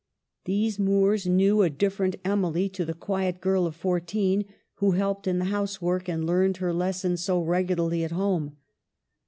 These moors knew a different Emily to the quiet girl of fourteen who helped in the housework and learned her lessons so regularly at home.